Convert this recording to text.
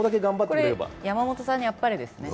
これ山本さんにあっぱれですね。